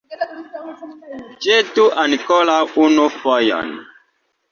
Ĵetu ankoraŭ unu fojon!